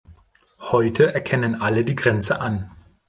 Heute erkennen alle die Grenze an.